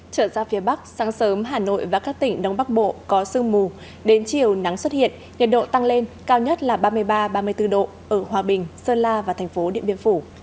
trở ra phía bắc sáng sớm hà nội và các tỉnh đông bắc bộ có sương mù đến chiều nắng xuất hiện nhiệt độ tăng lên cao nhất là ba mươi ba ba mươi bốn độ ở hòa bình sơn la và thành phố điện biên phủ